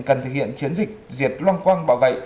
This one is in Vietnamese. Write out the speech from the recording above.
cần thực hiện chiến dịch diệt long quăng bọ gậy